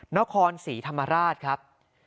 นครศรีธรรมราชครับ